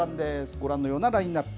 ご覧のようなラインアップ。